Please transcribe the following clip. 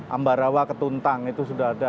ambarawa ketuntang itu sudah ada